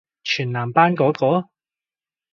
全男班嗰個？